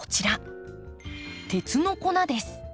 鉄の粉です。